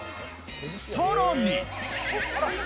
さらに。